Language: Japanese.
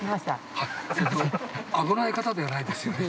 はい危ない方ではないですよね？